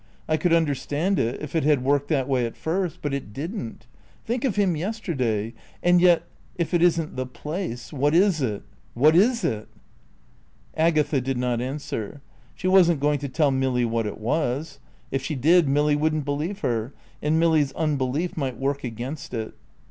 I could understand it if it had worked that way at first. But it didn't. Think of him yesterday. And yet if it isn't the place, what is it? What is it?" Agatha did not answer. She wasn't going to tell Milly what it was. If she did Milly wouldn't believe her, and Milly's unbelief might work against it.